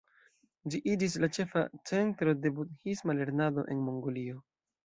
Ĝi iĝis la ĉefa centro de budhisma lernado en Mongolio.